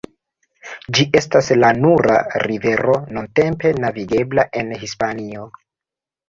Ĝi estas la nura rivero nuntempe navigebla en Hispanio.